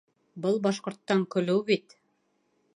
Был башҡорттан көлөү бит!